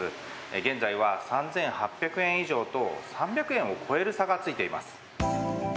現在は３８００円以上と３００円を超える差がついています。